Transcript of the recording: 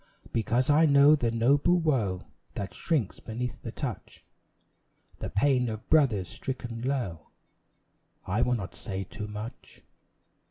Because I know the noble woe That shrinks beneath the touch The pain of brothers stricken low I will not say too much.